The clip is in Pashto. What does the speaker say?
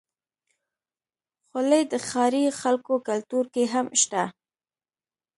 خولۍ د ښاري خلکو کلتور کې هم شته.